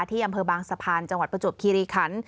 ที่อำเภอบางสะพานจังหวัดประจวบคีรีคัน